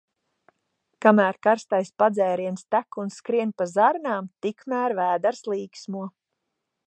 Kamēr karstais padzēriens tek un skrien pa zarnām, tikmēr vēders līksmo.